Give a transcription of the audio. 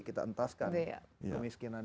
kita entaskan kemiskinannya